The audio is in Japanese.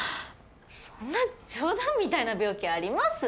そんな冗談みたいな病気あります？